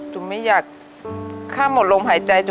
ฉันหมดลมหายใจ